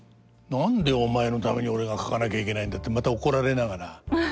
「何でお前のために俺が描かなきゃいけないんだ」ってまた怒られながら。